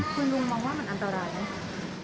คุณลุงมองว่ามันอันตรายไหมคะ